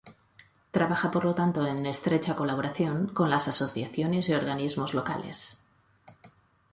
Trabaja por lo tanto en estrecha colaboración con las asociaciones y organismos locales.